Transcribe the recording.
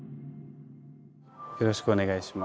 よろしくお願いします。